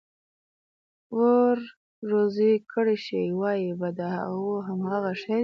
ور روزي كړى شي، وايي به: دا خو همغه دي چې: